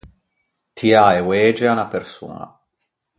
Tiâ e oege à unna persoña.